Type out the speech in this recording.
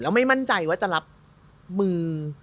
แล้วไม่มั่นใจว่าจะรับมือ